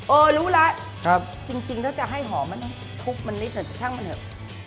เออรู้ละครับจริงถ้าจะให้หอมมันต้องทุบมันนิดหน่อยแต่ช่างมันเถอะ